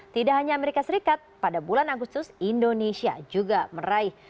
tidak hanya amerika serikat pada bulan agustus indonesia juga meraih